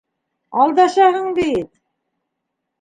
Алдашаһың бит!